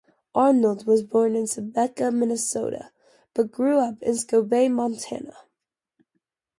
Arnold was born in Sebeka, Minnesota, but grew up in Scobey, Montana.